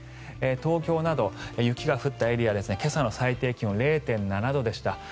東京など雪が降ったエリアは今朝の最低気温０．７度でした。